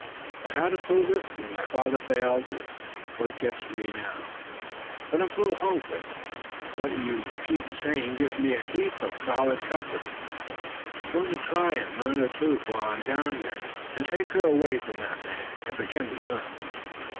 But how to prove it, when my father failed, is what gets me now. But I'm full of hope; and what you keep saying gives me a heap of solid comfort. I'm going to try and learn the truth while I'm down here; and take her away from that man, if it can be done.